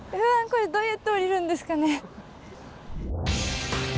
これどうやって降りるんですかね。